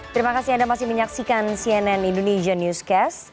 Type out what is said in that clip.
terima kasih anda masih menyaksikan cnn indonesia newscast